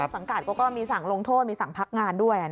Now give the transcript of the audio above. สังกัดเขาก็มีสั่งลงโทษมีสั่งพักงานด้วย